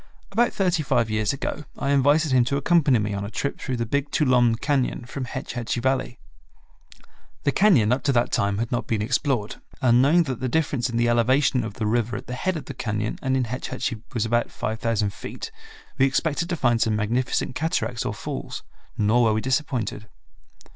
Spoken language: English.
About thirty five years ago I invited him to accompany me on a trip through the Big Tuolumne Cañon from Hetch Hetchy Valley. The cañon up to that time had not been explored, and knowing that the difference in the elevation of the river at the head of the cañon and in Hetch Hetchy was about 5000 feet, we expected to find some magnificent cataracts or falls; nor were we disappointed.